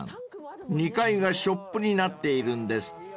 ［２階がショップになっているんですって］